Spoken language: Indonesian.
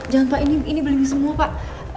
jangan pak ini beli semua pak